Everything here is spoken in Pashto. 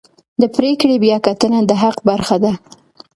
د پرېکړې بیاکتنه د حق برخه ده.